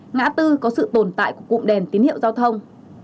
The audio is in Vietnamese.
ngã tư có sự tồn tại của cụm đèn tín hiệu giao thông